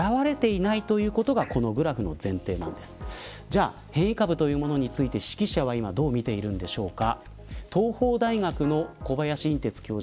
じゃあ変異株というものについて識者は今どう見ているんでしょうか。